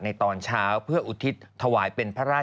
ตอนเช้าเพื่ออุทิศถวายเป็นพระราช